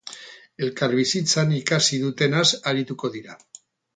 Elkarbizitzan ikasi dutenaz arituko dira.